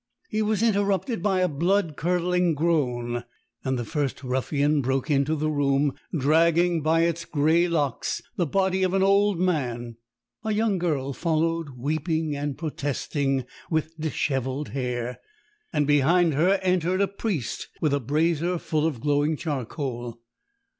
He was interrupted by a blood curdling groan, and the first ruffian broke into the room, dragging by its grey locks the body of an old man. A young girl followed, weeping and protesting, with dishevelled hair, and behind her entered a priest with a brazier full of glowing charcoal.